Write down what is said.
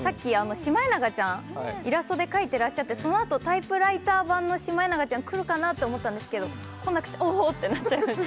シマエナガちゃんをイラストで描いてらして、そのあと、タイプライター版のシマエナガちゃん、くるかなと思ったんですけど、こなくておおってなっちゃいました。